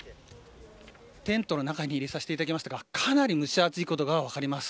テントの中に入れさせていただきましたがかなり蒸し暑いことが分かります。